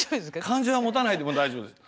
感情はもたないでも大丈夫です。